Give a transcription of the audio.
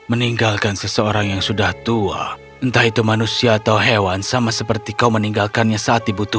meninggalkan seseorang yang sudah tua entah itu manusia atau hewan sama seperti kau meninggalkannya saat dibutuhkan